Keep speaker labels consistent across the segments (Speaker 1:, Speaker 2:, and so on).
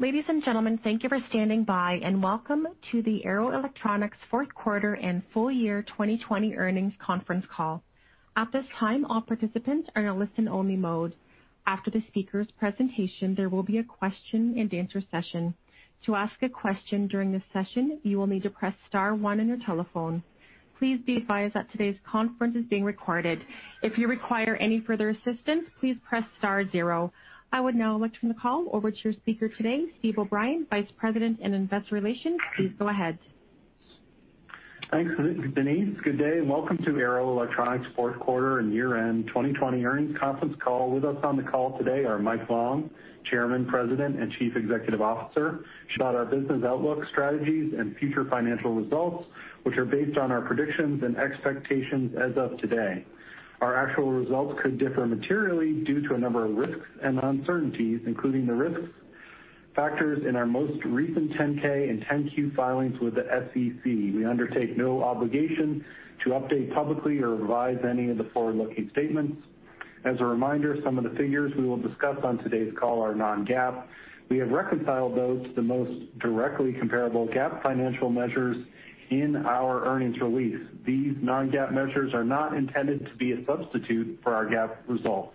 Speaker 1: Ladies and gentlemen, thank you for standing by, and welcome to the Arrow Electronics fourth quarter and full year 2020 earnings conference call. At this time, all participants are in a listen-only mode. After the speaker's presentation, there will be a question-and-answer session. To ask a question during this session, you will need to press star one on your telephone. Please be advised that today's conference is being recorded. If you require any further assistance, please press star zero. I would now like to turn the call over to your speaker today, Steve O’Brien, Vice President in Investor Relations. Please go ahead.
Speaker 2: Thanks, Denise. Good day, and welcome to Arrow Electronics' fourth quarter and year-end 2020 earnings conference call. With us on the call today are Mike Long, Chairman, President, and Chief Executive Officer, about our business outlook, strategies, and future financial results, which are based on our predictions and expectations as of today. Our actual results could differ materially due to a number of risks and uncertainties, including the risk factors in our most recent 10-K and 10-Q filings with the SEC. We undertake no obligation to update publicly or revise any of the forward-looking statements. As a reminder, some of the figures we will discuss on today's call are non-GAAP. We have reconciled those to the most directly comparable GAAP financial measures in our earnings release. These non-GAAP measures are not intended to be a substitute for our GAAP results.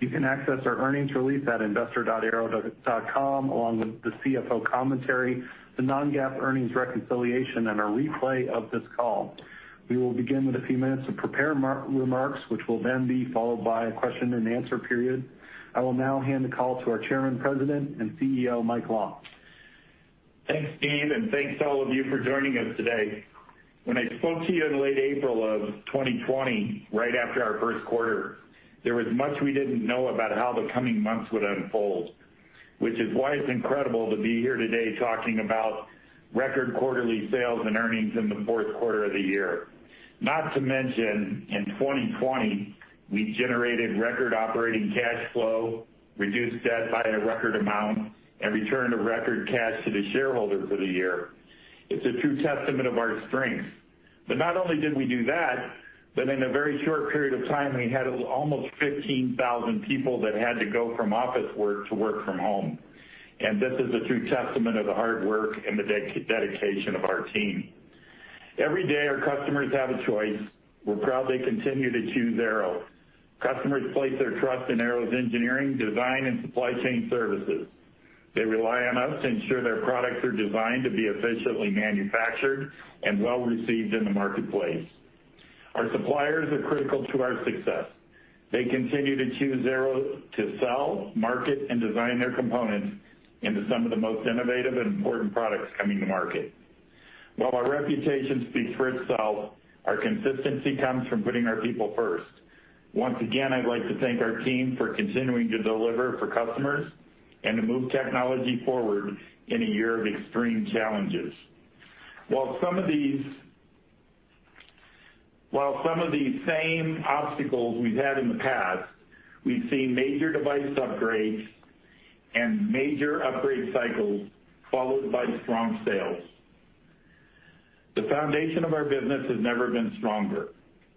Speaker 2: You can access our earnings release at investor.arrow.com, along with the CFO commentary, the non-GAAP earnings reconciliation, and a replay of this call. We will begin with a few minutes of prepared remarks, which will then be followed by a question-and-answer period. I will now hand the call to our Chairman, President, and CEO, Mike Long.
Speaker 3: Thanks, Steve, and thanks to all of you for joining us today. When I spoke to you in late April of 2020, right after our first quarter, there was much we didn't know about how the coming months would unfold, which is why it's incredible to be here today talking about record quarterly sales and earnings in the fourth quarter of the year. Not to mention, in 2020, we generated record operating cash flow, reduced debt by a record amount, and returned a record cash to the shareholder for the year. It's a true testament of our strength. But not only did we do that, but in a very short period of time, we had almost 15,000 people that had to go from office work to work from home. And this is a true testament of the hard work and the dedication of our team. Every day, our customers have a choice. We're proud they continue to choose Arrow. Customers place their trust in Arrow's engineering, design, and supply chain services. They rely on us to ensure their products are designed to be efficiently manufactured and well-received in the marketplace. Our suppliers are critical to our success. They continue to choose Arrow to sell, market, and design their components into some of the most innovative and important products coming to market. While our reputation speaks for itself, our consistency comes from putting our people first. Once again, I'd like to thank our team for continuing to deliver for customers and to move technology forward in a year of extreme challenges. While some of these same obstacles we've had in the past, we've seen major device upgrades and major upgrade cycles, followed by strong sales. The foundation of our business has never been stronger.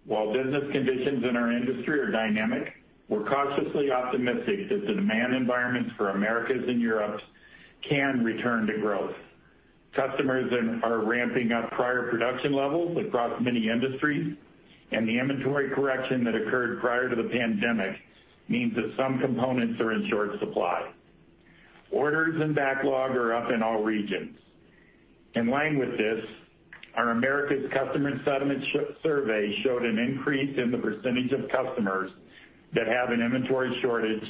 Speaker 3: While business conditions in our industry are dynamic, we're cautiously optimistic that the demand environments for Americas and Europe can return to growth. Customers are ramping up prior production levels across many industries, and the inventory correction that occurred prior to the pandemic means that some components are in short supply. Orders and backlog are up in all regions. In line with this, our Americas Customer Sentiment Survey showed an increase in the percentage of customers that have an inventory shortage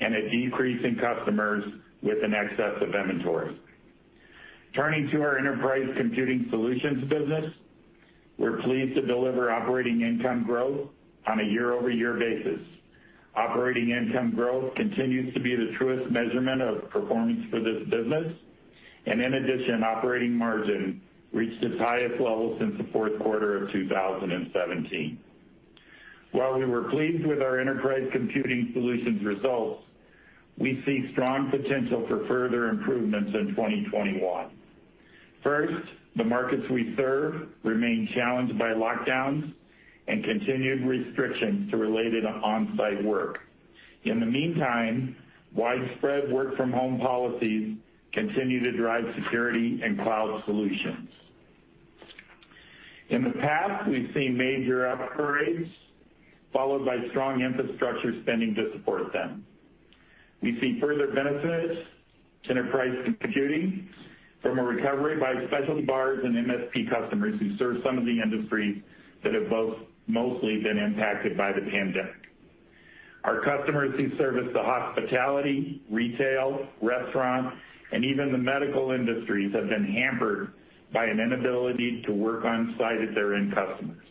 Speaker 3: and a decrease in customers with an excess of inventory. Turning to our Enterprise Computing Solutions business, we're pleased to deliver operating income growth on a year-over-year basis. Operating income growth continues to be the truest measurement of performance for this business, and in addition, operating margin reached its highest level since the fourth quarter of 2017. While we were pleased with our Enterprise Computing Solutions results, we see strong potential for further improvements in 2021. First, the markets we serve remain challenged by lockdowns and continued restrictions to related on-site work. In the meantime, widespread work-from-home policies continue to drive security and cloud solutions. In the past, we've seen major upgrades, followed by strong infrastructure spending to support them. We see further benefits to enterprise computing from a recovery by specialty VARs and MSP customers who serve some of the industries that have both mostly been impacted by the pandemic. Our customers who service the hospitality, retail, restaurants, and even the medical industries have been hampered by an inability to work on-site at their end customers.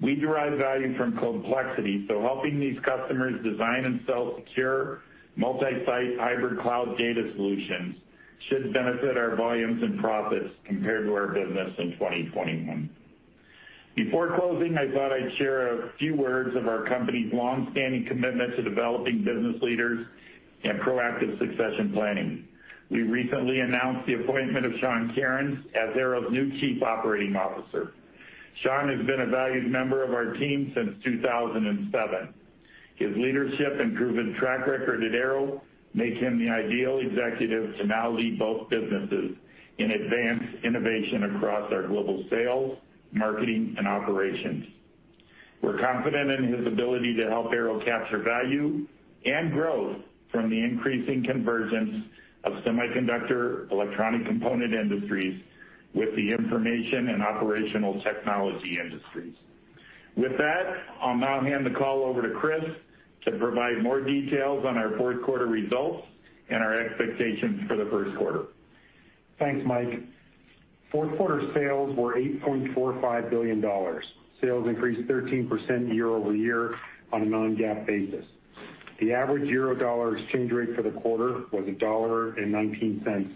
Speaker 3: We derive value from complexity, so helping these customers design and sell secure, multi-site, hybrid cloud data solutions should benefit our volumes and profits compared to our business in 2021. Before closing, I thought I'd share a few words of our company's long-standing commitment to developing business leaders and proactive succession planning. We recently announced the appointment of Sean Kerins as Arrow's new Chief Operating Officer. Sean has been a valued member of our team since 2007. His leadership and proven track record at Arrow makes him the ideal executive to now lead both businesses and advance innovation across our global sales, marketing, and operations. We're confident in his ability to help Arrow capture value and growth from the increasing convergence of semiconductor electronic component industries with the information and operational technology industries. With that, I'll now hand the call over to Chris to provide more details on our fourth quarter results and our expectations for the first quarter.
Speaker 4: Thanks, Mike. Fourth quarter sales were $8.45 billion. Sales increased 13% year-over-year on a Non-GAAP basis. The average euro-dollar exchange rate for the quarter was $1.19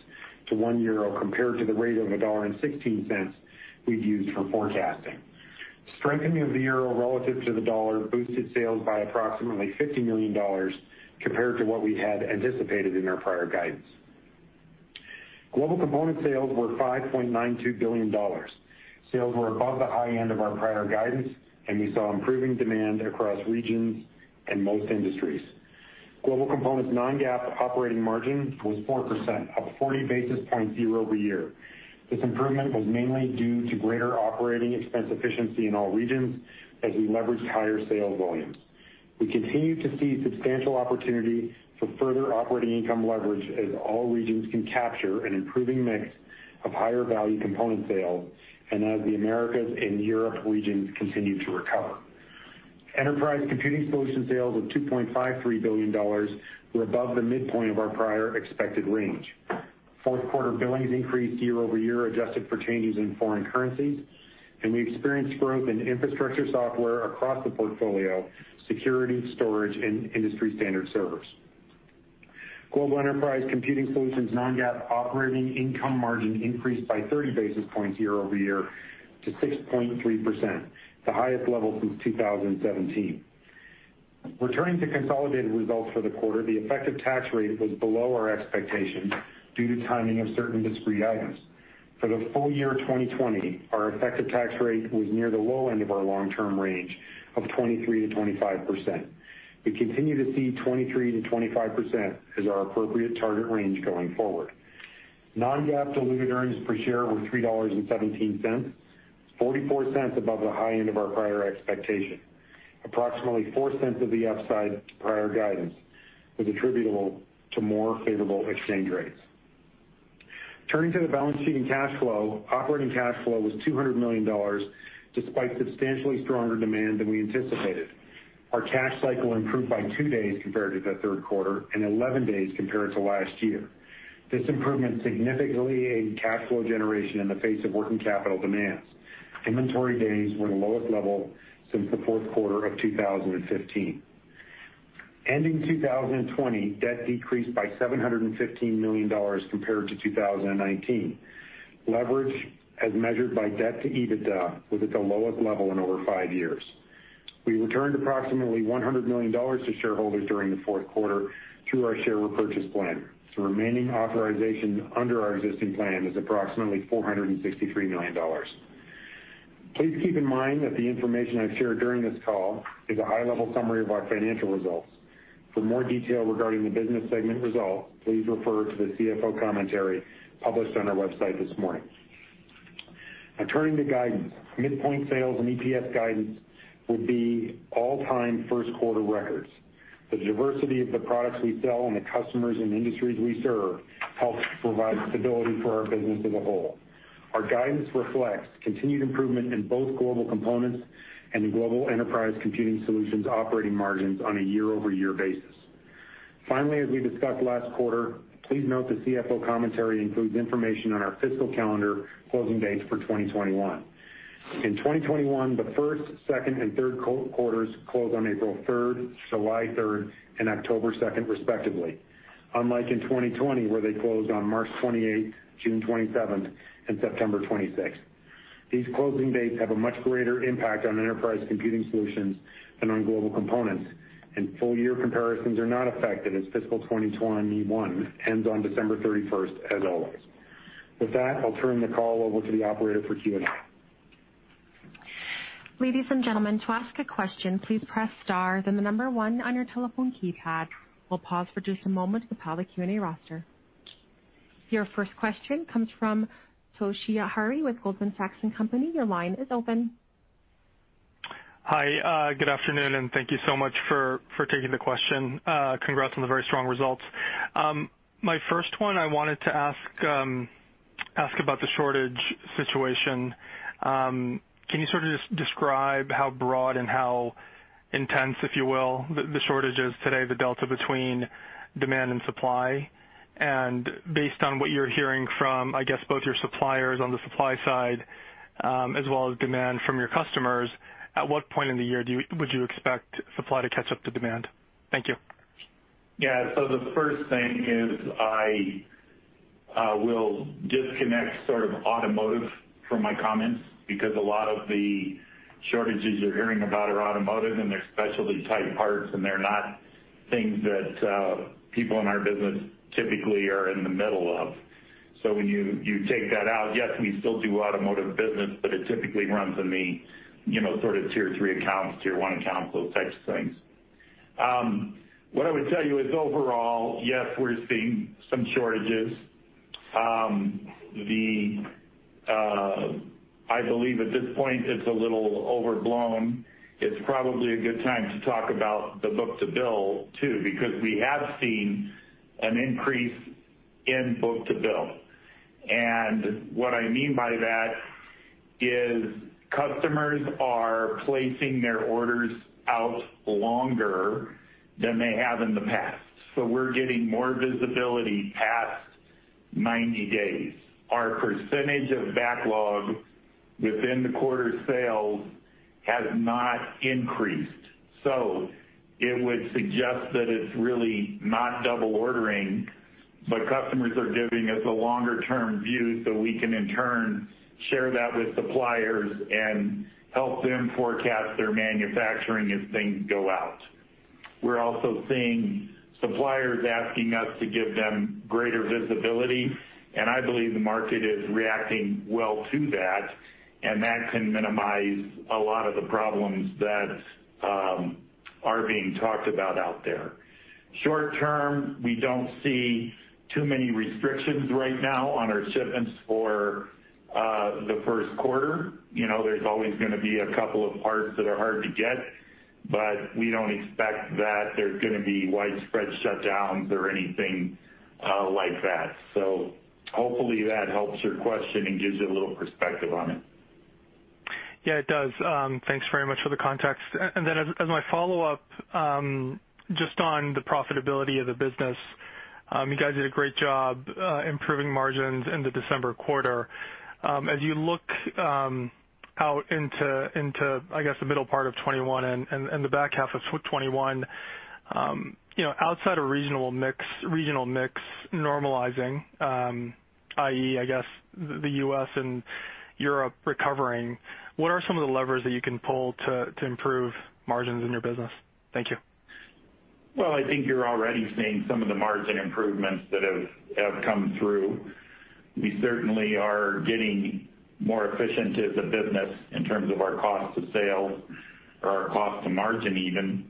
Speaker 4: to €1, compared to the rate of $1.16 we've used for forecasting. Strengthening of the euro relative to the dollar boosted sales by approximately $50 million compared to what we had anticipated in our prior guidance. Global Components sales were $5.92 billion. Sales were above the high end of our prior guidance, and we saw improving demand across regions and most industries. Global Components Non-GAAP operating margin was 4%, up 40 basis points year-over-year. This improvement was mainly due to greater operating expense efficiency in all regions as we leveraged higher sales volumes. We continue to see substantial opportunity for further operating income leverage, as all regions can capture an improving mix of higher value component sales and as the Americas and Europe regions continue to recover. Enterprise Computing Solution sales of $2.53 billion were above the midpoint of our prior expected range. Fourth quarter billings increased year-over-year, adjusted for changes in foreign currencies, and we experienced growth in infrastructure software across the portfolio, security, storage, and industry standard servers. Global Enterprise Computing Solutions non-GAAP operating income margin increased by 30 basis points year-over-year to 6.3%, the highest level since 2017. Returning to consolidated results for the quarter, the effective tax rate was below our expectations due to timing of certain discrete items. For the full year 2020, our effective tax rate was near the low end of our long-term range of 23%-25%. We continue to see 23%-25% as our appropriate target range going forward. Non-GAAP diluted earnings per share were $3.17, 44 cents above the high end of our prior expectation. Approximately $0.04 of the upside to prior guidance was attributable to more favorable exchange rates. Turning to the balance sheet and cash flow, operating cash flow was $200 million, despite substantially stronger demand than we anticipated. Our cash cycle improved by 2 days compared to the third quarter and 11 days compared to last year. This improvement significantly aided cash flow generation in the face of working capital demands. Inventory days were the lowest level since the fourth quarter of 2015. Ending 2020, debt decreased by $715 million compared to 2019. Leverage, as measured by debt to EBITDA, was at the lowest level in over 5 years. We returned approximately $100 million to shareholders during the fourth quarter through our share repurchase plan. The remaining authorization under our existing plan is approximately $463 million. Please keep in mind that the information I've shared during this call is a high-level summary of our financial results. For more detail regarding the business segment results, please refer to the CFO commentary published on our website this morning. Now, turning to guidance. Midpoint sales and EPS guidance will be all-time first quarter records. The diversity of the products we sell and the customers and industries we serve helps provide stability for our business as a whole. Our guidance reflects continued improvement in both Global Components and Enterprise Computing Solutions operating margins on a year-over-year basis. Finally, as we discussed last quarter, please note the CFO commentary includes information on our fiscal calendar closing dates for 2021. In 2021, the first, second, and third quarters close on April 3rd, July 3rd, and October 2nd, respectively, unlike in 2020, where they closed on March 28th, June 27th, and September 26th. These closing dates have a much greater impact on Enterprise Computing Solutions than on Global Components, and full year comparisons are not affected as fiscal 2021 ends on December 31st, as always. With that, I'll turn the call over to the operator for Q&A.
Speaker 1: Ladies and gentlemen, to ask a question, please press star, then the number one on your telephone keypad. We'll pause for just a moment to compile the Q&A roster. Your first question comes from Toshiya Hari with Goldman Sachs and Company. Your line is open.
Speaker 5: Hi, good afternoon, and thank you so much for taking the question. Congrats on the very strong results. My first one, I wanted to ask about the shortage situation. Can you sort of just describe how broad and how intense, if you will, the shortage is today, the delta between demand and supply? And based on what you're hearing from, I guess, both your suppliers on the supply side, as well as demand from your customers, at what point in the year do you--would you expect supply to catch up to demand? Thank you.
Speaker 3: Yeah, so the first thing is I will disconnect sort of automotive from my comments, because a lot of the shortages you're hearing about are automotive, and they're specialty-type parts, things that people in our business typically are in the middle of. So when you take that out, yes, we still do automotive business, but it typically runs in the, you know, sort of tier three accounts, tier one accounts, those types of things. What I would tell you is overall, yes, we're seeing some shortages. The I believe at this point, it's a little overblown. It's probably a good time to talk about the book-to-bill, too, because we have seen an increase in book-to-bill. And what I mean by that is customers are placing their orders out longer than they have in the past. So we're getting more visibility past 90 days. Our percentage of backlog within the quarter sales has not increased. So it would suggest that it's really not double ordering, but customers are giving us a longer-term view, so we can in turn share that with suppliers and help them forecast their manufacturing as things go out. We're also seeing suppliers asking us to give them greater visibility, and I believe the market is reacting well to that, and that can minimize a lot of the problems that are being talked about out there. Short term, we don't see too many restrictions right now on our shipments for the first quarter. You know, there's always gonna be a couple of parts that are hard to get, but we don't expect that there's gonna be widespread shutdowns or anything like that. Hopefully that helps your question and gives you a little perspective on it.
Speaker 5: Yeah, it does. Thanks very much for the context. And then as my follow-up, just on the profitability of the business, you guys did a great job improving margins in the December quarter. As you look out into the middle part of 2021 and the back half of 2021, you know, outside of reasonable regional mix normalizing, i.e., I guess, the US and Europe recovering, what are some of the levers that you can pull to improve margins in your business? Thank you.
Speaker 3: Well, I think you're already seeing some of the margin improvements that have come through. We certainly are getting more efficient as a business in terms of our cost of sales or our cost to margin even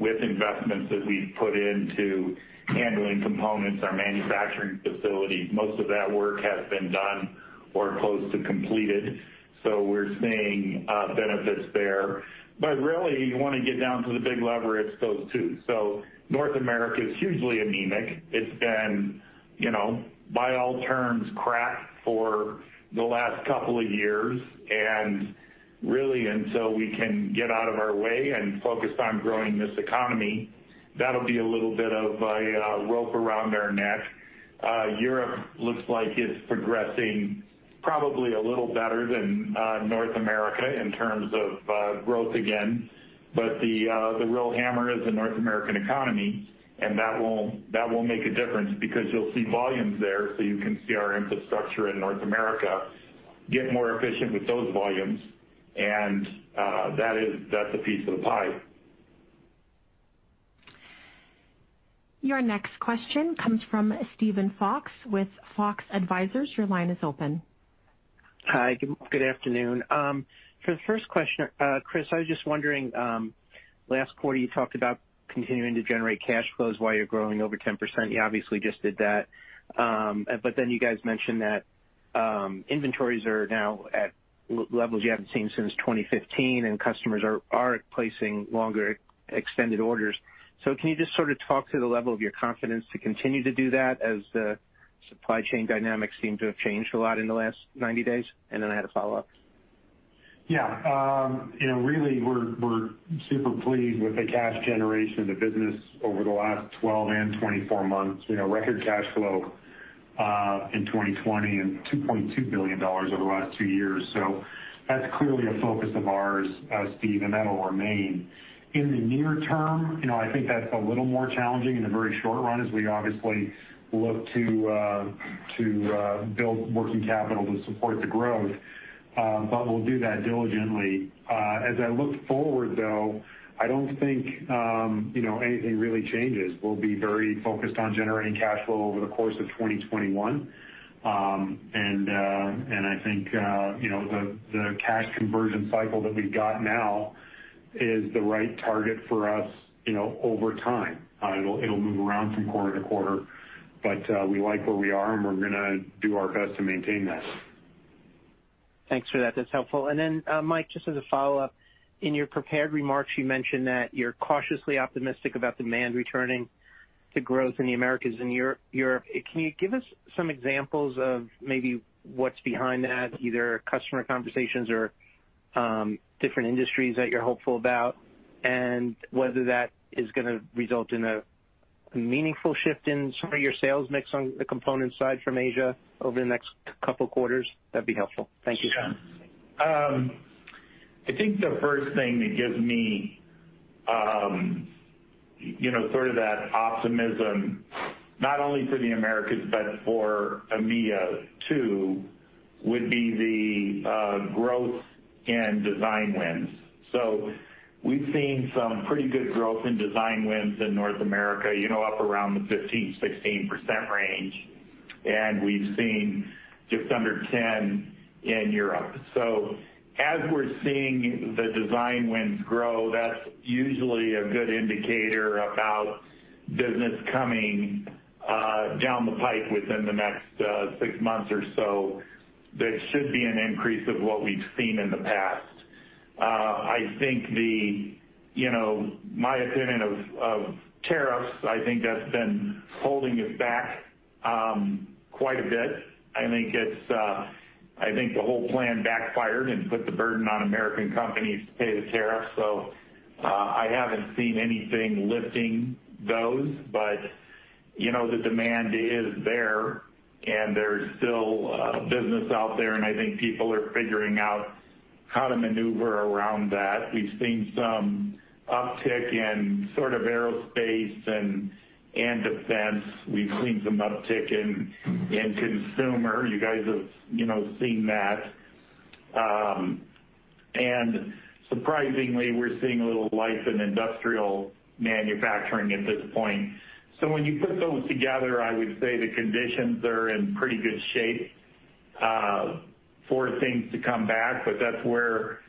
Speaker 3: with investments that we've put into handling components, our manufacturing facilities. Most of that work has been done or close to completed, so we're seeing benefits there. But really, you want to get down to the big lever, it's those two. So North America is hugely anemic. It's been, you know, by all terms, cracked for the last couple of years, and really, until we can get out of our way and focus on growing this economy, that'll be a little bit of a rope around our neck. Europe looks like it's progressing probably a little better than North America in terms of growth again. But the real hammer is the North American economy, and that will make a difference because you'll see volumes there, so you can see our infrastructure in North America get more efficient with those volumes, and that's a piece of the pie.
Speaker 1: Your next question comes from Steven Fox with Fox Advisors. Your line is open.
Speaker 6: Hi, good, good afternoon. For the first question, Chris, I was just wondering, last quarter, you talked about continuing to generate cash flows while you're growing over 10%. You obviously just did that. But then you guys mentioned that, inventories are now at levels you haven't seen since 2015, and customers are placing longer extended orders. So can you just sort of talk to the level of your confidence to continue to do that as the supply chain dynamics seem to have changed a lot in the last 90 days? And then I had a follow-up.
Speaker 4: Yeah, you know, really, we're super pleased with the cash generation of the business over the last 12 and 24 months. You know, record cash flow in 2020 and $2.2 billion over the last two years. So that's clearly a focus of ours, Steve, and that'll remain. In the near term, you know, I think that's a little more challenging in the very short run as we obviously look to build working capital to support the growth, but we'll do that diligently. As I look forward, though, I don't think, you know, anything really changes. We'll be very focused on generating cash flow over the course of 2021. I think, you know, the cash conversion cycle that we've got now is the right target for us, you know, over time. It'll move around from quarter to quarter, but we like where we are, and we're gonna do our best to maintain that.
Speaker 6: Thanks for that. That's helpful. And then, Mike, just as a follow-up, in your prepared remarks, you mentioned that you're cautiously optimistic about demand returning to growth in the Americas and Europe. Can you give us some examples of maybe what's behind that, either customer conversations or, different industries that you're hopeful about, and whether that is gonna result in a meaningful shift in some of your sales mix on the component side from Asia over the next couple quarters? That'd be helpful. Thank you.
Speaker 3: Sure. I think the first thing that gives me, you know, sort of that optimism, not only for the Americas, but for EMEA, too, would be the growth and design wins. So we've seen some pretty good growth in design wins in North America, you know, up around the 15, 16% range, and we've seen just under 10% in Europe. So as we're seeing the design wins grow, that's usually a good indicator about business coming down the pipe within the next six months or so. There should be an increase of what we've seen in the past. I think the, you know, my opinion of tariffs, I think that's been holding us back quite a bit. I think it's, I think the whole plan backfired and put the burden on American companies to pay the tariffs, so, I haven't seen anything lifting those, but, you know, the demand is there, and there's still, business out there, and I think people are figuring out how to maneuver around that. We've seen some uptick in sort of aerospace and, and defense. We've seen some uptick in, in consumer. You guys have, you know, seen that. And surprisingly, we're seeing a little life in industrial manufacturing at this point. So when you put those together, I would say the conditions are in pretty good shape, for things to come back, but that's where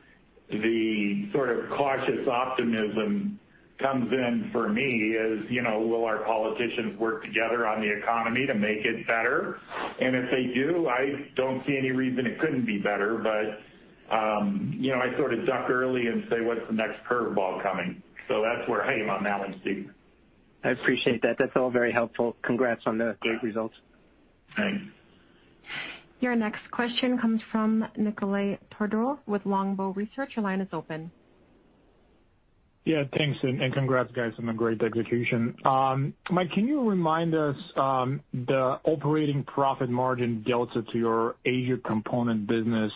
Speaker 3: the sort of cautious optimism comes in for me is, you know, will our politicians work together on the economy to make it better? If they do, I don't see any reason it couldn't be better, but, you know, I sort of duck early and say, "What's the next curveball coming?" So that's where I am on that one, Steve.
Speaker 6: I appreciate that. That's all very helpful. Congrats on the great results.
Speaker 3: Thanks.
Speaker 1: Your next question comes from Nikolay Todorov with Longbow Research. Your line is open.
Speaker 7: Yeah, thanks, and congrats, guys, on a great execution. Mike, can you remind us the operating profit margin delta to your Asia component business?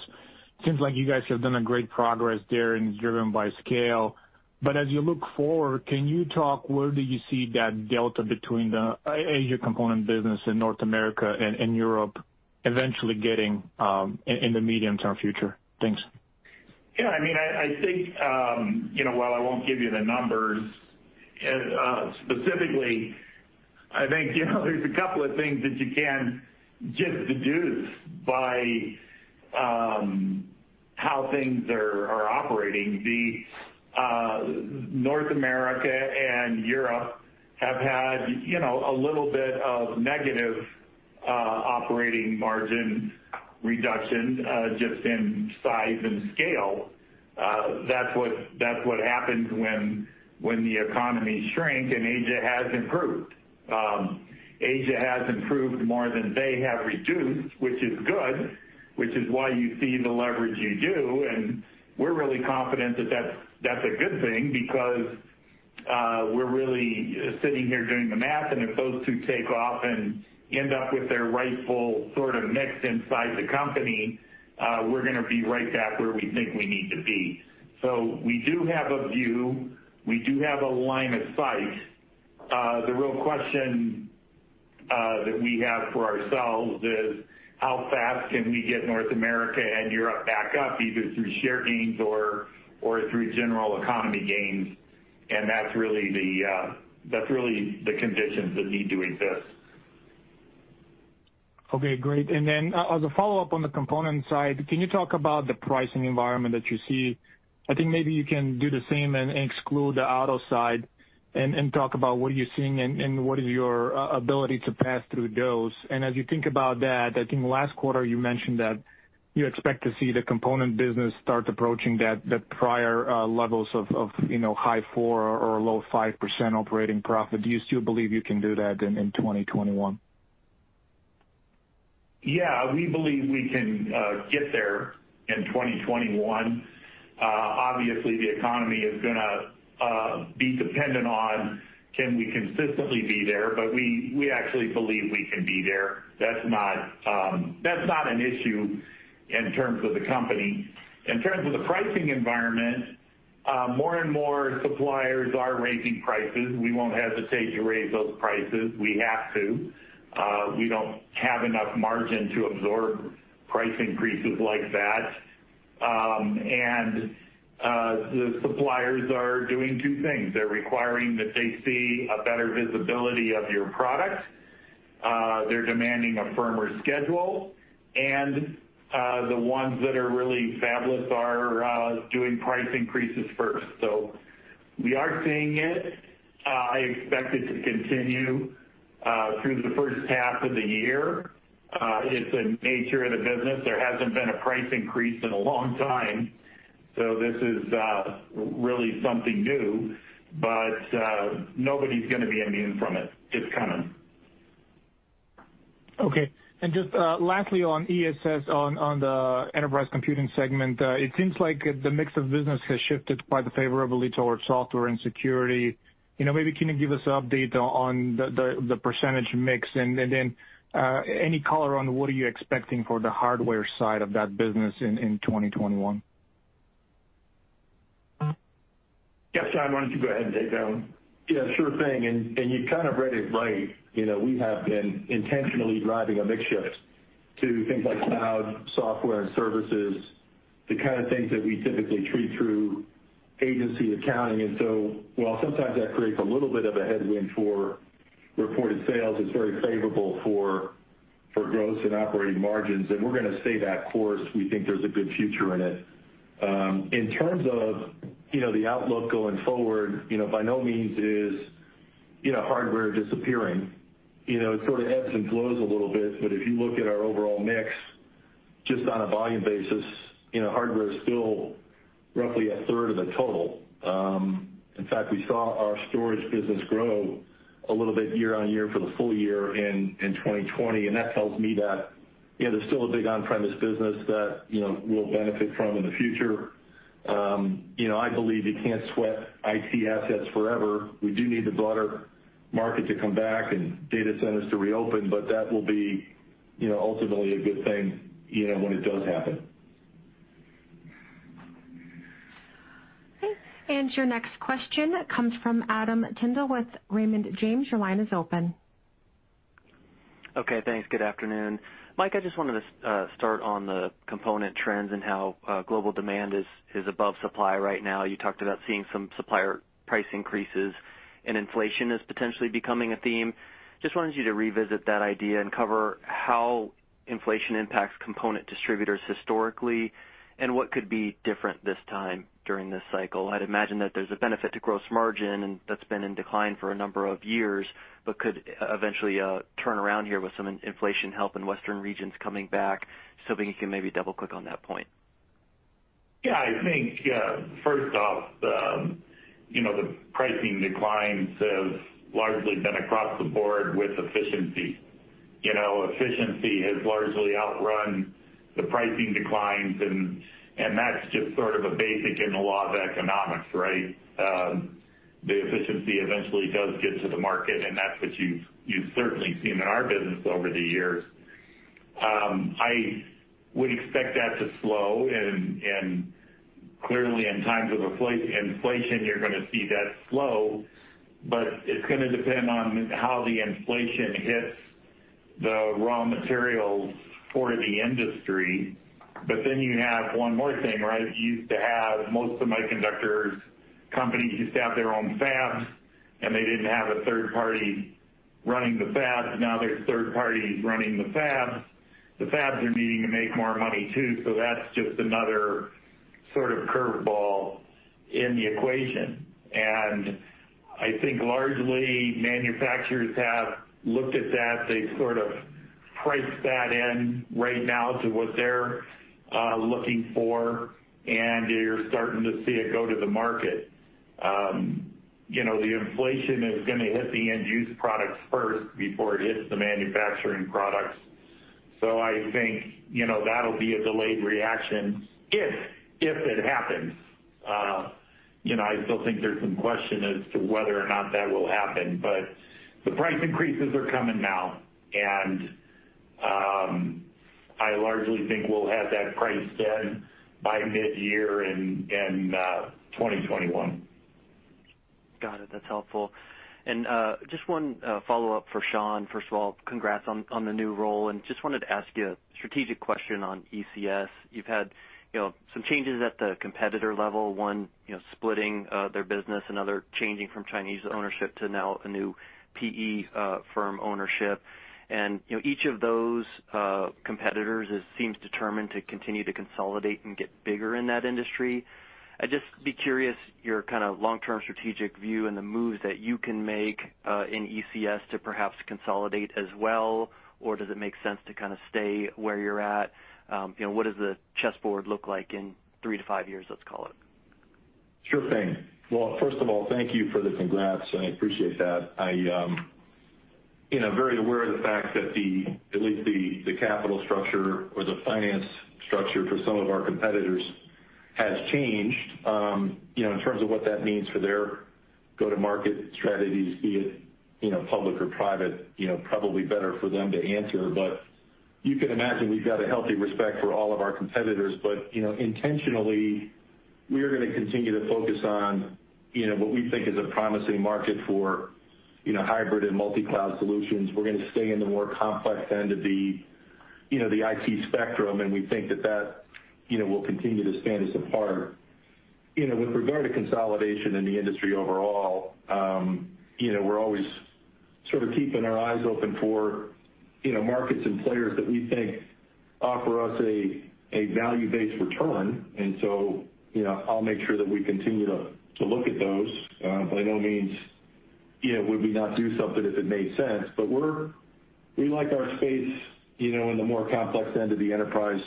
Speaker 7: Seems like you guys have done a great progress there and driven by scale. But as you look forward, can you talk where do you see that delta between the Asia component business in North America and Europe eventually getting in the medium-term future? Thanks.
Speaker 3: Yeah, I mean, I think, you know, while I won't give you the numbers specifically, I think, you know, there's a couple of things that you can just deduce by how things are operating. North America and Europe have had, you know, a little bit of negative operating margin reduction just in size and scale. That's what happens when the economy shrink, and Asia has improved. Asia has improved more than they have reduced, which is good, which is why you see the leverage you do, and we're really confident that that's a good thing because we're really sitting here doing the math, and if those two take off and end up with their rightful sort of mix inside the company, we're gonna be right back where we think we need to be. So we do have a view. We do have a line of sight. The real question that we have for ourselves is: How fast can we get North America and Europe back up, either through share gains or, or through general economy gains? And that's really the, that's really the conditions that need to exist.
Speaker 7: Okay, great. And then as a follow-up on the component side, can you talk about the pricing environment that you see? I think maybe you can do the same and exclude the auto side and talk about what are you seeing and what is your ability to pass through those. And as you think about that, I think last quarter you mentioned that you expect to see the component business start approaching that, the prior levels of, you know, high 4% or low 5% operating profit. Do you still believe you can do that in 2021?
Speaker 3: Yeah, we believe we can get there in 2021. Obviously, the economy is gonna be dependent on can we consistently be there, but we actually believe we can be there. That's not an issue in terms of the company. In terms of the pricing environment, more and more suppliers are raising prices. We won't hesitate to raise those prices. We have to. We don't have enough margin to absorb price increases like that. And the suppliers are doing two things: They're requiring that they see a better visibility of your product, they're demanding a firmer schedule, and the ones that are really fabulous are doing price increases first. So we are seeing it. I expect it to continue through the first half of the year. It's a nature of the business. There hasn't been a price increase in a long time, so this is really something new, but nobody's gonna be immune from it. It's coming.
Speaker 7: Okay. And just, lastly, on ECS, on, on the enterprise computing segment, it seems like the mix of business has shifted quite favorably towards software and security. You know, maybe can you give us an update on the, the, the percentage mix, and, and then, any color on what are you expecting for the hardware side of that business in, in 2021?...
Speaker 3: Sean, why don't you go ahead and take that one?
Speaker 8: Yeah, sure thing. And you kind of read it right. You know, we have been intentionally driving a mix shift to things like cloud, software, and services, the kind of things that we typically treat through agency accounting. And so while sometimes that creates a little bit of a headwind for reported sales, it's very favorable for growth and operating margins, and we're gonna stay that course. We think there's a good future in it. In terms of, you know, the outlook going forward, you know, by no means is, you know, hardware disappearing. You know, it sort of ebbs and flows a little bit, but if you look at our overall mix, just on a volume basis, you know, hardware is still roughly a third of the total. In fact, we saw our storage business grow a little bit year-on-year for the full year in 2020, and that tells me that, you know, there's still a big on-premise business that, you know, we'll benefit from in the future. You know, I believe you can't sweat IT assets forever. We do need the broader market to come back and data centers to reopen, but that will be, you know, ultimately a good thing, you know, when it does happen.
Speaker 1: Okay. Your next question comes from Adam Tindle with Raymond James. Your line is open.
Speaker 9: Okay, thanks. Good afternoon. Mike, I just wanted to start on the component trends and how global demand is above supply right now. You talked about seeing some supplier price increases, and inflation is potentially becoming a theme. Just wanted you to revisit that idea and cover how inflation impacts component distributors historically, and what could be different this time during this cycle. I'd imagine that there's a benefit to gross margin, and that's been in decline for a number of years, but could eventually turn around here with some inflation help in Western regions coming back, so maybe you can double-click on that point.
Speaker 3: Yeah, I think first off, you know, the pricing declines have largely been across the board with efficiency. You know, efficiency has largely outrun the pricing declines, and that's just sort of a basic in the law of economics, right? The efficiency eventually does get to the market, and that's what you've certainly seen in our business over the years. I would expect that to slow, and clearly, in times of inflation, you're gonna see that slow, but it's gonna depend on how the inflation hits the raw materials for the industry. But then you have one more thing, right? You used to have most semiconductor companies used to have their own fabs, and they didn't have a third party running the fabs. Now there's third parties running the fabs. The fabs are needing to make more money, too, so that's just another sort of curveball in the equation. I think largely manufacturers have looked at that. They've sort of priced that in right now to what they're looking for, and you're starting to see it go to the market. You know, the inflation is gonna hit the end-use products first before it hits the manufacturing products. So I think, you know, that'll be a delayed reaction if it happens. You know, I still think there's some question as to whether or not that will happen, but the price increases are coming now, and I largely think we'll have that priced in by midyear in 2021.
Speaker 9: Got it. That's helpful. And, just one follow-up for Sean. First of all, congrats on the new role, and just wanted to ask you a strategic question on ECS. You've had, you know, some changes at the competitor level, one, you know, splitting their business, another changing from Chinese ownership to now a new PE firm ownership. And, you know, each of those competitors seems determined to continue to consolidate and get bigger in that industry. I'd just be curious, your kind of long-term strategic view and the moves that you can make in ECS to perhaps consolidate as well, or does it make sense to kind of stay where you're at? You know, what does the chessboard look like in three to five years, let's call it?
Speaker 8: Sure thing. Well, first of all, thank you for the congrats, I appreciate that. I, you know, very aware of the fact that at least the capital structure or the finance structure for some of our competitors has changed. You know, in terms of what that means for their go-to-market strategies, be it, you know, public or private, you know, probably better for them to answer. But you can imagine we've got a healthy respect for all of our competitors, but, you know, intentionally, we are gonna continue to focus on, you know, what we think is a promising market for, you know, hybrid and multi-cloud solutions. We're gonna stay in the more complex end of the, you know, the IT spectrum, and we think that that, you know, will continue to stand us apart. You know, with regard to consolidation in the industry overall, you know, we're always sort of keeping our eyes open for, you know, markets and players that we think offer us a, a value-based return. And so, you know, I'll make sure that we continue to, to look at those. By no means, you know, would we not do something if it made sense, but we like our space, you know, in the more complex end of the enterprise,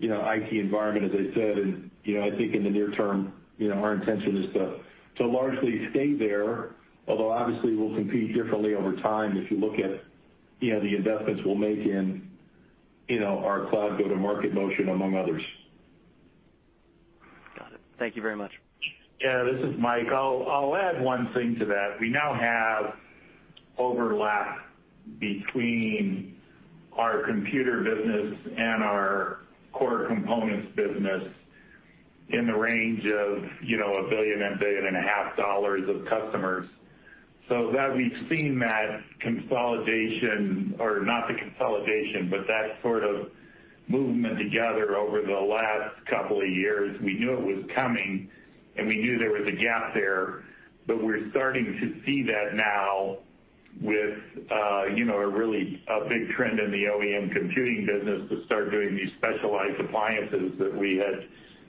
Speaker 8: you know, IT environment, as I said. And, you know, I think in the near term, you know, our intention is to, to largely stay there, although obviously, we'll compete differently over time if you look at, you know, the investments we'll make in, you know, our cloud go-to-market motion, among others.
Speaker 9: Got it. Thank you very much.
Speaker 3: Yeah, this is Mike. I'll add one thing to that. We now have overlap between our computer business and our core components business in the range of, you know, $1 billion-$1.5 billion of customers. So that we've seen that consolidation, or not the consolidation, but that sort of movement together over the last couple of years. We knew it was coming, and we knew there was a gap there, but we're starting to see that now with, you know, a really, a big trend in the OEM computing business to start doing these specialized appliances that we had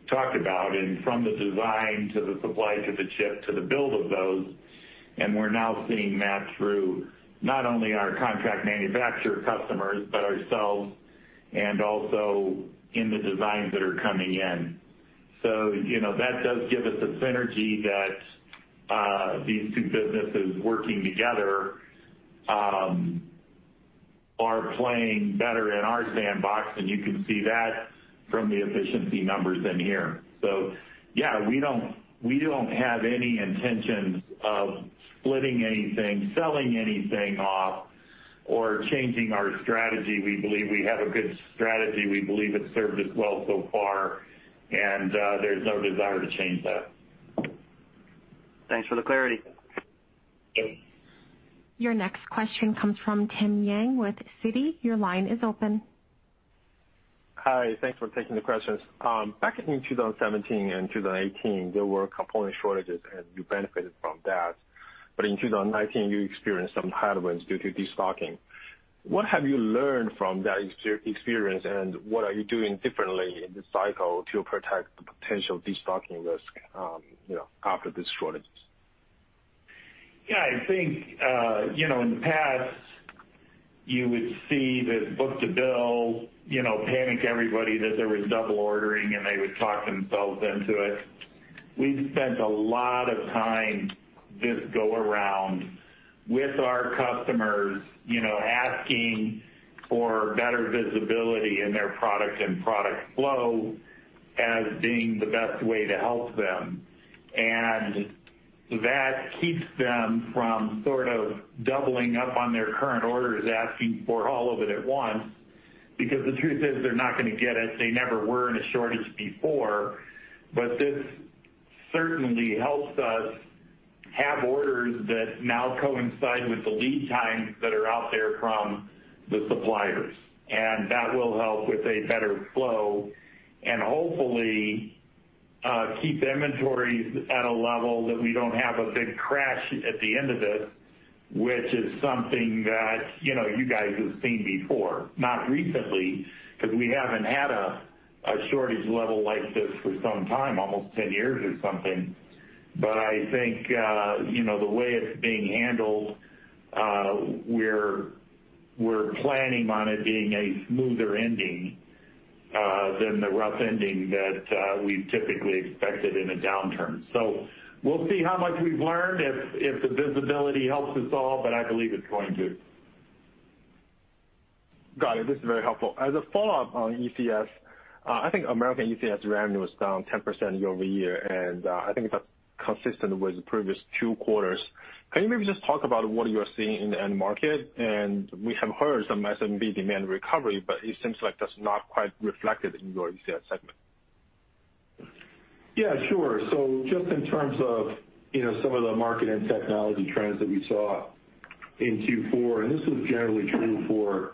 Speaker 3: talked about, and from the design to the supply, to the chip, to the build of those. And we're now seeing that through not only our contract manufacturer customers, but ourselves, and also in the designs that are coming in. So, you know, that does give us a synergy that, these two businesses working together, are playing better in our sandbox, and you can see that from the efficiency numbers in here. So yeah, we don't, we don't have any intentions of splitting anything, selling anything off, or changing our strategy. We believe we have a good strategy. We believe it's served us well so far, and, there's no desire to change that.
Speaker 9: Thanks for the clarity.
Speaker 3: Okay.
Speaker 1: Your next question comes from Tim Yang with Citi. Your line is open.
Speaker 10: Hi, thanks for taking the questions. Back in 2017 and 2018, there were component shortages, and you benefited from that. But in 2019, you experienced some headwinds due to destocking. What have you learned from that experience, and what are you doing differently in this cycle to protect the potential destocking risk, you know, after these shortages?
Speaker 3: Yeah, I think, you know, in the past, you would see this book-to-bill, you know, panic everybody, that there was double ordering, and they would talk themselves into it. We've spent a lot of time, this go around, with our customers, you know, asking for better visibility in their product and product flow as being the best way to help them. And that keeps them from sort of doubling up on their current orders, asking for all of it at once, because the truth is they're not gonna get it. They never were in a shortage before, but this certainly helps us have orders that now coincide with the lead times that are out there from the suppliers. That will help with a better flow and hopefully keep inventories at a level that we don't have a big crash at the end of this, which is something that, you know, you guys have seen before. Not recently, 'cause we haven't had a shortage level like this for some time, almost 10 years or something. But I think, you know, the way it's being handled, we're planning on it being a smoother ending than the rough ending that we've typically expected in a downturn. So we'll see how much we've learned if the visibility helps us all, but I believe it's going to.
Speaker 10: Got it. This is very helpful. As a follow-up on ECS, I think Americas ECS revenue was down 10% year-over-year, and I think that's consistent with the previous two quarters. Can you maybe just talk about what you are seeing in the end market? And we have heard some server and PC demand recovery, but it seems like that's not quite reflected in your ECS segment.
Speaker 8: Yeah, sure. So just in terms of, you know, some of the market and technology trends that we saw in Q4, and this is generally true for,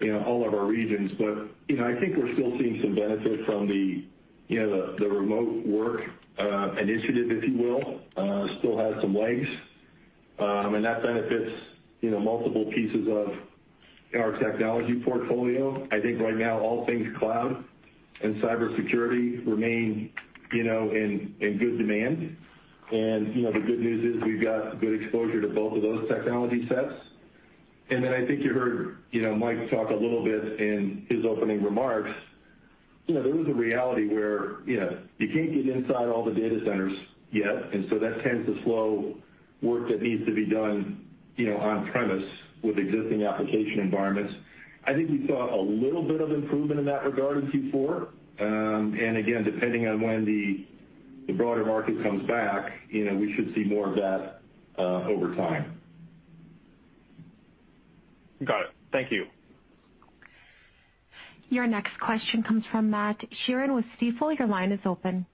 Speaker 8: you know, all of our regions, but, you know, I think we're still seeing some benefit from the, you know, the, the remote work initiative, if you will, still has some legs. And that benefits, you know, multiple pieces of our technology portfolio. I think right now, all things cloud and cybersecurity remain, you know, in good demand. And, you know, the good news is we've got good exposure to both of those technology sets. And then I think you heard, you know, Mike talk a little bit in his opening remarks, you know, there is a reality where, you know, you can't get inside all the data centers yet, and so that tends to slow work that needs to be done, you know, on premise with existing application environments. I think we saw a little bit of improvement in that regard in Q4. And again, depending on when the broader market comes back, you know, we should see more of that, over time.
Speaker 10: Got it. Thank you.
Speaker 1: Your next question comes from Matthew Sheerin with Stifel. Your line is open.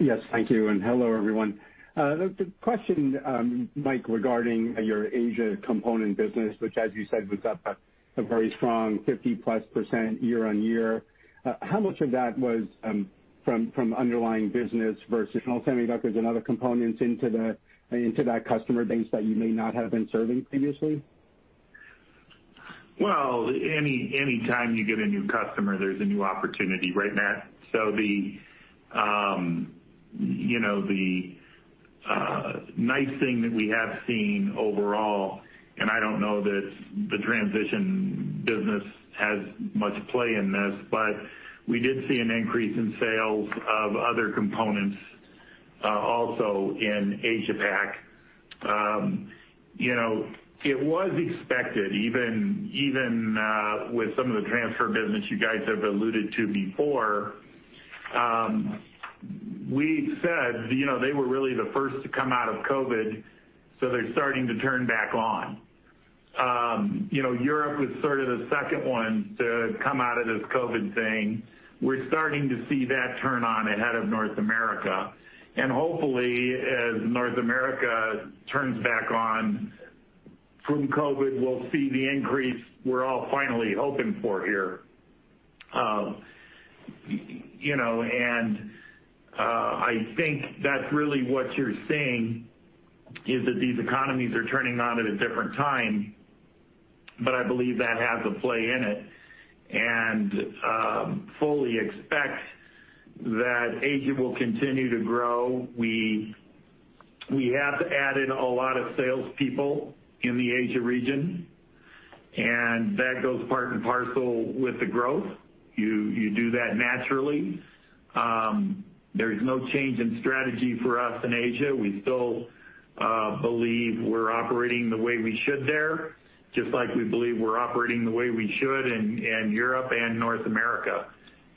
Speaker 11: Yes, thank you, and hello, everyone. The question, Mike, regarding your Asia component business, which, as you said, was up a very strong 50%+ year-on-year. How much of that was from underlying business versus semiconductors and other components into that customer base that you may not have been serving previously?
Speaker 3: Well, anytime you get a new customer, there's a new opportunity, right, Matt? So, you know, the nice thing that we have seen overall, and I don't know that the transition business has much play in this, but we did see an increase in sales of other components, also in Asia-Pac. You know, it was expected, even with some of the transfer business you guys have alluded to before. We said, you know, they were really the first to come out of COVID, so they're starting to turn back on. You know, Europe was sort of the second one to come out of this COVID thing. We're starting to see that turn on ahead of North America, and hopefully, as North America turns back on from COVID, we'll see the increase we're all finally hoping for here. You know, and I think that's really what you're seeing, is that these economies are turning on at a different time, but I believe that has a play in it, and fully expect that Asia will continue to grow. We have added a lot of salespeople in the Asia region, and that goes part and parcel with the growth. You do that naturally. There's no change in strategy for us in Asia. We still believe we're operating the way we should there, just like we believe we're operating the way we should in Europe and North America.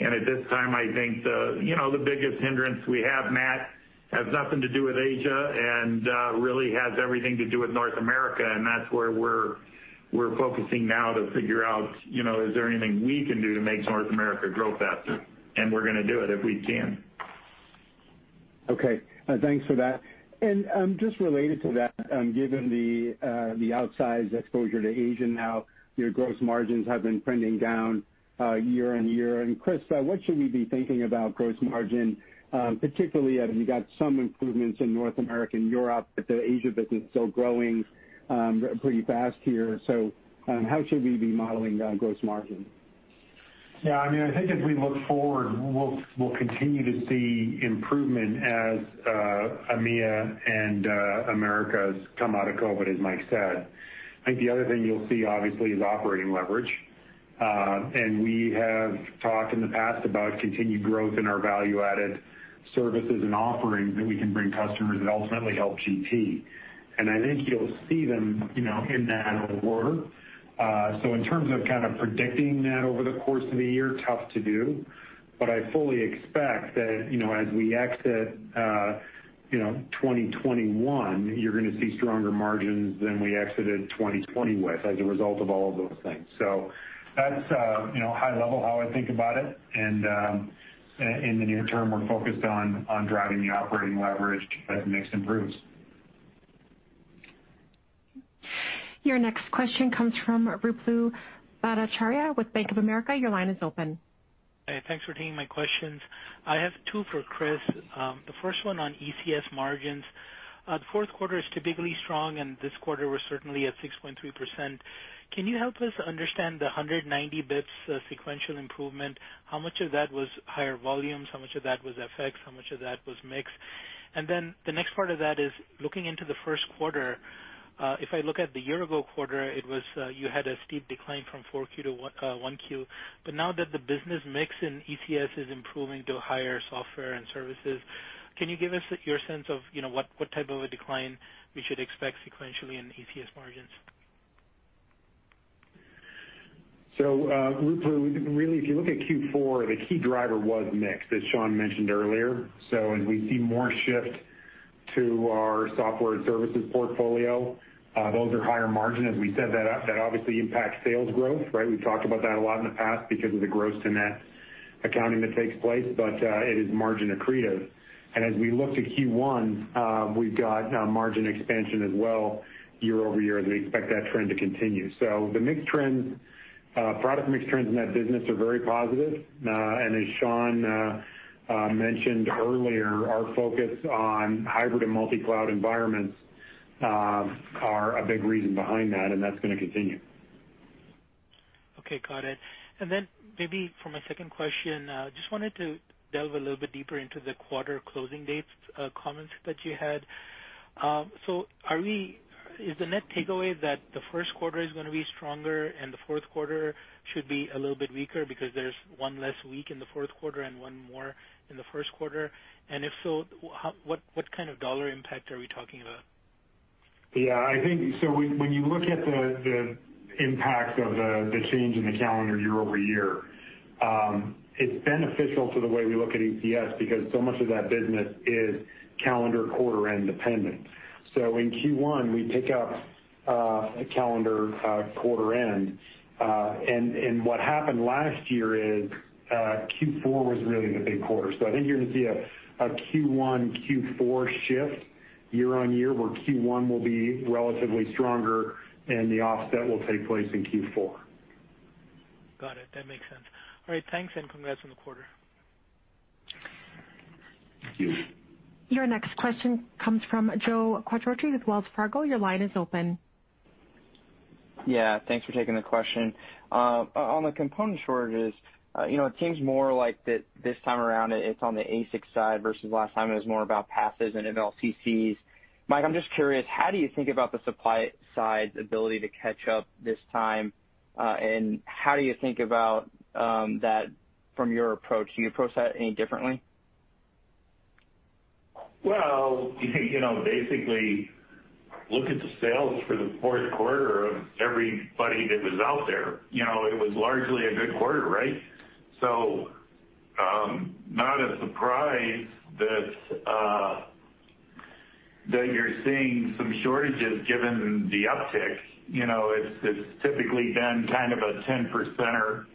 Speaker 3: At this time, I think the, you know, the biggest hindrance we have, Matt, has nothing to do with Asia and really has everything to do with North America, and that's where we're focusing now to figure out, you know, is there anything we can do to make North America grow faster? We're gonna do it if we can.
Speaker 11: Okay, thanks for that. And just related to that, given the outsized exposure to Asia now, your gross margins have been trending down year on year. And Chris, what should we be thinking about gross margin, particularly as you got some improvements in North America and Europe, but the Asia business is still growing pretty fast here. So how should we be modeling down gross margin?
Speaker 4: Yeah, I mean, I think as we look forward, we'll, we'll continue to see improvement as, EMEA and, Americas come out of COVID, as Mike said. I think the other thing you'll see, obviously, is operating leverage. And we have talked in the past about continued growth in our value-added services and offerings that we can bring customers that ultimately help GT. And I think you'll see them, you know, in that order. So in terms of kind of predicting that over the course of a year, tough to do, but I fully expect that, you know, as we exit, you know, 2021, you're gonna see stronger margins than we exited 2020 with, as a result of all of those things. So that's, you know, high level, how I think about it, and in the near term, we're focused on driving the operating leverage as mix improves.
Speaker 1: Your next question comes from Ruplu Bhattacharya with Bank of America. Your line is open.
Speaker 12: Hey, thanks for taking my questions. I have two for Chris. The first one on ECS margins. The fourth quarter is typically strong, and this quarter, we're certainly at 6.3%. Can you help us understand the 190 basis points sequential improvement? How much of that was higher volumes, how much of that was FX, how much of that was mix? And then the next part of that is, looking into the first quarter, if I look at the year ago quarter, it was, you had a steep decline from Q4 to Q1. But now that the business mix in ECS is improving to higher software and services, can you give us your sense of, you know, what type of a decline we should expect sequentially in ECS margins?
Speaker 4: So, Ruplu, really, if you look at Q4, the key driver was mix, as Sean mentioned earlier. So as we see more shift to our software and services portfolio, those are higher margin. As we said, that obviously impacts sales growth, right? We've talked about that a lot in the past because of the gross to net accounting that takes place, but, it is margin accretive. And as we look to Q1, we've got, margin expansion as well, year-over-year, as we expect that trend to continue. So the mix trends, product mix trends in that business are very positive. And as Sean mentioned earlier, our focus on hybrid and multi-cloud environments, are a big reason behind that, and that's gonna continue.
Speaker 12: Okay, got it. And then maybe for my second question, just wanted to delve a little bit deeper into the quarter closing dates, comments that you had. So, are we? Is the net takeaway that the first quarter is gonna be stronger and the fourth quarter should be a little bit weaker because there's one less week in the fourth quarter and one more in the first quarter? And if so, how, what, what kind of dollar impact are we talking about?
Speaker 4: Yeah, I think... So when you look at the impacts of the change in the calendar year over year, it's beneficial to the way we look at ECS because so much of that business is calendar quarter independent. So in Q1, we pick up a calendar quarter end. And what happened last year is Q4 was really the big quarter. So I think you're gonna see a Q1, Q4 shift year on year, where Q1 will be relatively stronger and the offset will take place in Q4.
Speaker 12: Got it. That makes sense. All right, thanks, and congrats on the quarter.
Speaker 4: Thank you.
Speaker 1: Your next question comes from Joe Quattrocchi with Wells Fargo. Your line is open.
Speaker 13: Yeah, thanks for taking the question. On the component shortages, you know, it seems more like that this time around, it's on the ASIC side, versus last time it was more about passives and MLCCs. Mike, I'm just curious, how do you think about the supply side's ability to catch up this time? And how do you think about that from your approach? Do you approach that any differently?
Speaker 3: Well, you know, basically, look at the sales for the fourth quarter of everybody that was out there. You know, it was largely a good quarter, right? So, not a surprise that you're seeing some shortages given the uptick. You know, it's typically been kind of a 10%er,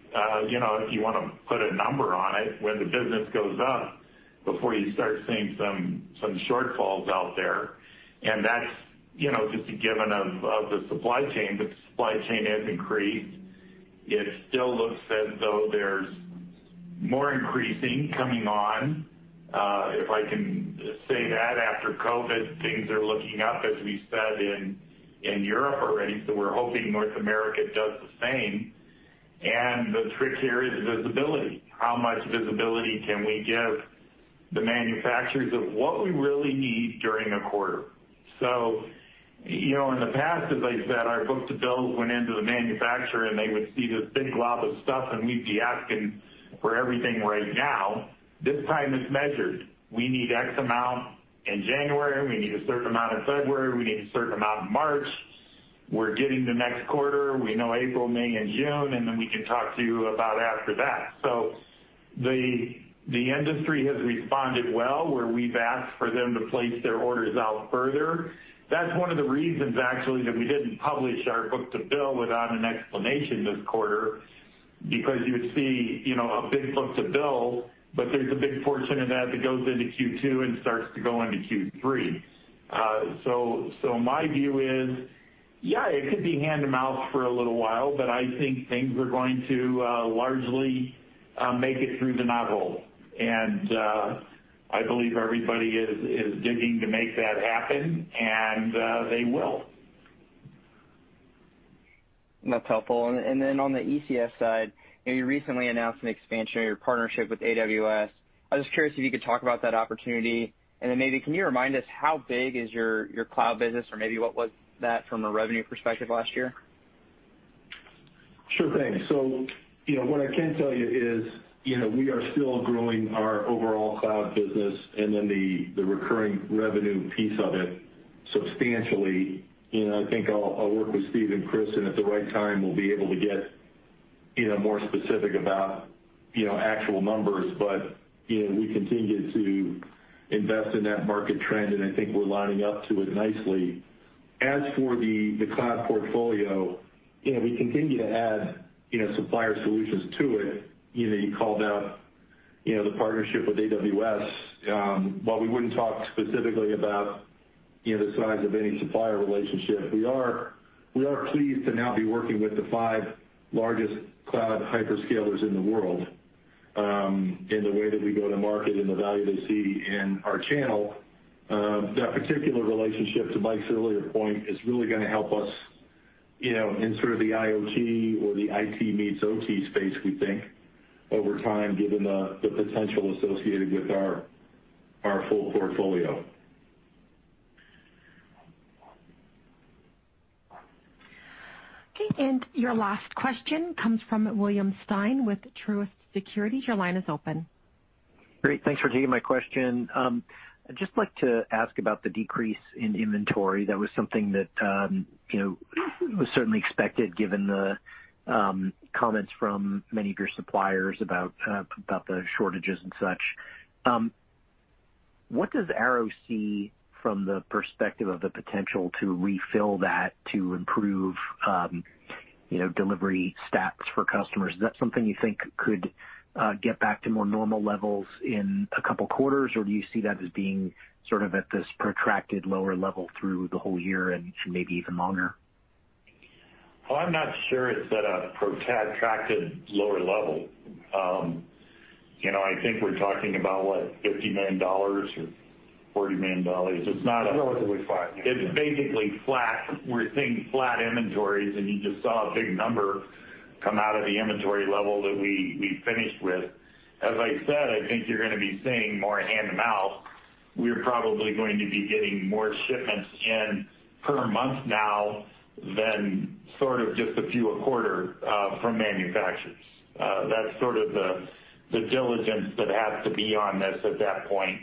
Speaker 3: you know, if you wanna put a number on it, when the business goes up, before you start seeing some shortfalls out there. And that's, you know, just a given of the supply chain, but the supply chain has increased. It still looks as though there's more increasing coming on. If I can say that after COVID, things are looking up, as we said, in Europe already, so we're hoping North America does the same. And the trick here is visibility. How much visibility can we give the manufacturers of what we really need during a quarter? So, you know, in the past, as I said, our book-to-bill went into the manufacturer, and they would see this big glob of stuff, and we'd be asking for everything right now. This time it's measured. We need X amount in January, we need a certain amount in February, we need a certain amount in March. We're getting the next quarter. We know April, May and June, and then we can talk to you about after that. So the industry has responded well, where we've asked for them to place their orders out further. That's one of the reasons, actually, that we didn't publish our Book-to-Bill without an explanation this quarter, because you'd see, you know, a big Book-to-Bill, but there's a big portion of that goes into Q2 and starts to go into Q3. So my view is, yeah, it could be hand-to-mouth for a little while, but I think things are going to largely make it through the year. I believe everybody is digging to make that happen, and they will.
Speaker 13: That's helpful. And then on the ECS side, you know, you recently announced an expansion of your partnership with AWS. I was just curious if you could talk about that opportunity, and then maybe can you remind us how big is your, your cloud business or maybe what was that from a revenue perspective last year?
Speaker 8: Sure thing. So, you know, what I can tell you is, you know, we are still growing our overall cloud business and then the, the recurring revenue piece of it substantially. You know, I think I'll, I'll work with Steve and Chris, and at the right time, we'll be able to get, you know, more specific about, you know, actual numbers. But, you know, we continue to invest in that market trend, and I think we're lining up to it nicely. As for the, the cloud portfolio, you know, we continue to add, you know, supplier solutions to it. You know, you called out, you know, the partnership with AWS. While we wouldn't talk specifically about, you know, the size of any supplier relationship, we are, we are pleased to now be working with the five largest cloud hyperscalers in the world, in the way that we go to market and the value they see in our channel. That particular relationship, to Mike's earlier point, is really gonna help us, you know, in sort of the IoT or the IT meets OT space, we think, over time, given the, the potential associated with our, our full portfolio.
Speaker 1: Okay, and your last question comes from William Stein with Truist Securities. Your line is open.
Speaker 14: Great, thanks for taking my question. I'd just like to ask about the decrease in inventory. That was something that, you know, was certainly expected, given the, comments from many of your suppliers about, about the shortages and such. What does Arrow see from the perspective of the potential to refill that, to improve, you know, delivery stats for customers? Is that something you think could, get back to more normal levels in a couple of quarters, or do you see that as being sort of at this protracted lower level through the whole year and maybe even longer?
Speaker 3: Well, I'm not sure it's at a protracted lower level. You know, I think we're talking about, what, $50 million or $40 million? It's not a-
Speaker 8: Relatively flat.
Speaker 3: It's basically flat. We're seeing flat inventories, and you just saw a big number come out of the inventory level that we finished with. As I said, I think you're gonna be seeing more hand to mouth. We're probably going to be getting more shipments in per month now than sort of just a few a quarter from manufacturers. That's sort of the diligence that has to be on this at that point,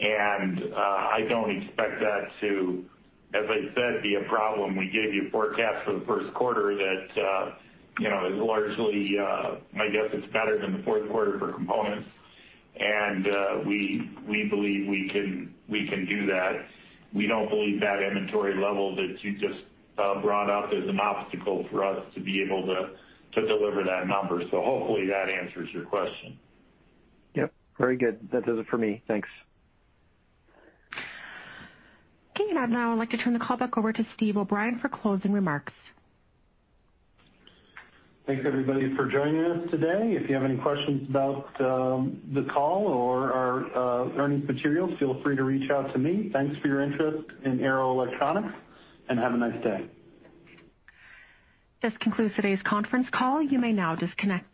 Speaker 3: and I don't expect that to, as I said, be a problem. We gave you forecast for the first quarter that, you know, is largely my guess, it's better than the fourth quarter for components, and we believe we can do that. We don't believe that inventory level that you just brought up is an obstacle for us to be able to deliver that number. So hopefully, that answers your question.
Speaker 14: Yep, very good. That does it for me. Thanks.
Speaker 1: Okay, and I'd now like to turn the call back over to Steve O’Brien for closing remarks.
Speaker 2: Thanks, everybody, for joining us today. If you have any questions about the call or our earnings materials, feel free to reach out to me. Thanks for your interest in Arrow Electronics, and have a nice day.
Speaker 1: This concludes today's conference call. You may now disconnect.